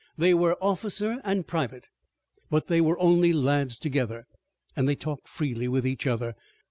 They were officer and private, but they were only lads together, and they talked freely with each other.